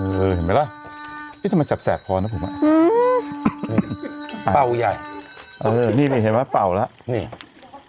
เห็นไหมล่ะนี่ทำไมแสบแสบพอนะผมอ่ะเป่าย่ายนี่เห็นไหมเป่าแล้ว